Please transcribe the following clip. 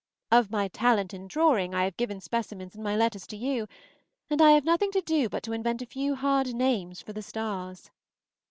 Of my talent in drawing I have given specimens in my letters to you, and I have nothing to do but to invent a few hard names for the stars.